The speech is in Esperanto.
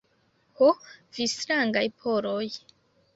Ho, vi strangaj Poloj!